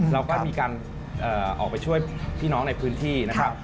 เราก็มีการออกไปช่วยพี่น้องในพื้นที่นะครับ